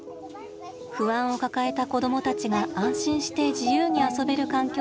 不安を抱えた子どもたちが安心して自由に遊べる環境を整えました。